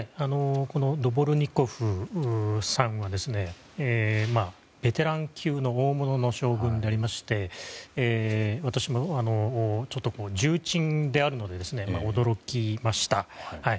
このドボルニコフさんはベテラン級の大物の将軍になりまして重鎮であるので私も驚きました。